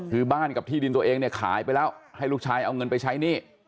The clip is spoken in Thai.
คือบ้านกับที่ดินตัวเองเนี่ยขายไปแล้วให้ลูกชายเอาเงินไปใช้หนี้